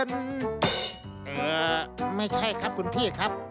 ไม่ใช่ครับคุณพี่ครับ